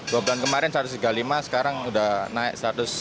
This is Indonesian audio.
dua bulan kemarin satu ratus tiga puluh lima sekarang sudah naik satu ratus lima puluh